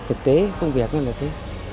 thực tế công việc nó là thế